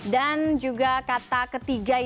dan juga kata ketiga yang paling